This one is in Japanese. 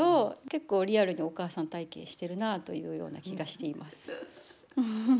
結構リアルにお母さん体験してるなというような気がしています。